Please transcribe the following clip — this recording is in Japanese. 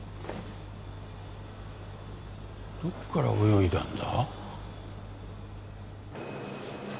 どこから泳いだんだ？